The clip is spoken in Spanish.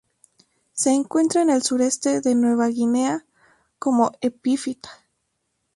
Se encuentra en el sureste de Nueva Guinea como epífita.